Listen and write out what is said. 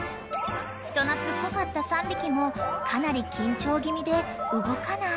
［人懐っこかった３匹もかなり緊張気味で動かない］